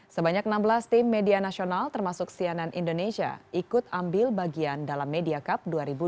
sebanyak enam belas tim media nasional termasuk cnn indonesia ikut ambil bagian dalam media cup dua ribu dua puluh